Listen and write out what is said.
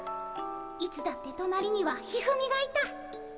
いつだってとなりには一二三がいた。